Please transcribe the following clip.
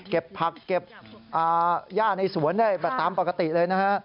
เก็บผักเก็บหญ้าในสวนได้ตามปกติเลย